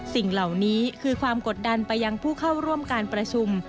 สิ่งเหล่านี้คือความกดดันไปยังผู้เข้าร่วมการประชุม